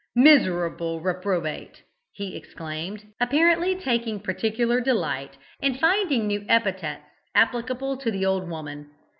"Miserable reprobate!" he exclaimed, apparently taking particular delight in finding new epithets applicable to the old woman.